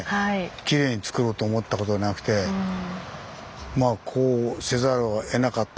きれいにつくろうと思ったことなくてまあこうせざるをえなかった結果